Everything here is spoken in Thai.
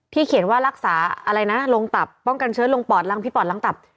เขียนว่ารักษาอะไรนะลงตับป้องกันเชื้อลงปอดรังพี่ปอดรังตับ